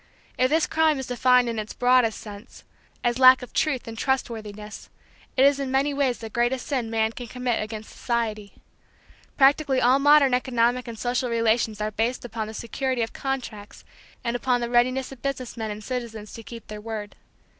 If this crime is defined in its broadest sense, as lack of truth and trustworthiness, it is in many ways the greatest sin man can commit against society. Practically all modern economic and social relations are based upon the security of contracts and upon the readiness of business men and citizens to keep their word.